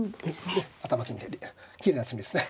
ええ頭金できれいな詰みですね。